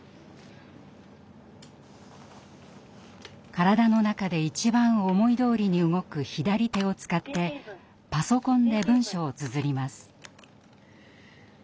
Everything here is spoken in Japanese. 体の中で一番思いどおりに動く左手を使ってパソコンで文章をつづります。